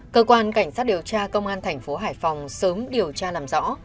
cơ quan cảnh sát điều tra công an thành phố hải phòng sớm điều tra làm rõ